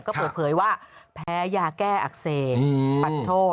ก็เปิดเผยว่าแพ้ยาแก้อักเสบปัดโทษ